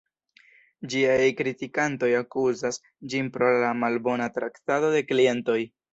Ĝiaj kritikantoj akuzas ĝin pro la malbona traktado de klientoj.